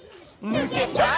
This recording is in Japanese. ぬけた！